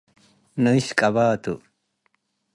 ንእሽ ቀበ ቱ።